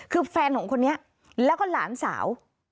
คือแฟนของคนนี้แล้วก็หลานสาว